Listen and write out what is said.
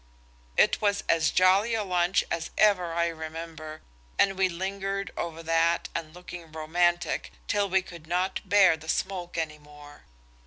It was as jolly a lunch as ever I remember, and we lingered over that and looking romantic till we could not bear the smoke any more.